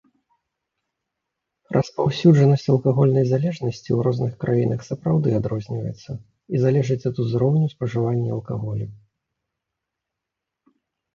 Распаўсюджанасць алкагольнай залежнасці ў розных краінах сапраўды адрозніваецца і залежыць ад узроўню спажывання алкаголю.